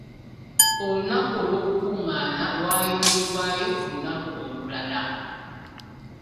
Olunaku olw'okukungaana lwayongerwayo ku lunaku olulala.